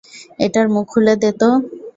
এটার মুখ খুলে দে তো।